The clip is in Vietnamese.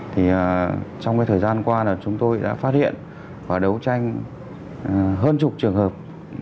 trong thời gian qua chúng tôi đã phát hiện và đấu tranh hơn chục trường hợp